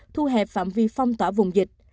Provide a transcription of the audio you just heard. thu hẹp phạm vi phong tỏa vùng dịch